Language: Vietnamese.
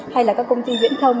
hay là các công ty viễn thông